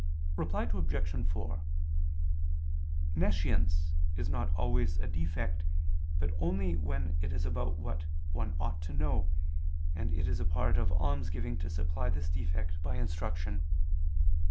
Reply Obj. 4: Nescience is not always a defect, but only when it is about what one ought to know, and it is a part of almsgiving to supply this defect by instruction.